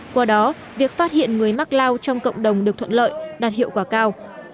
qua đó việc phát hiện người mắc lao trong cộng đồng được thuận lợi đạt hiệu quả cao